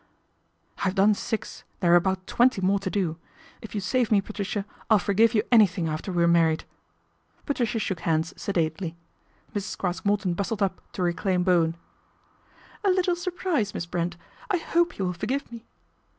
" I've done six, there are about twenty more to do. If you save me, Patricia, I'll forgive you any thing after we're married." Patricia shook hands sedately. Mrs. Craske Morton bustled up to re claim Bowen. " A little surprise, Miss Brent ; I hope you will forgive me."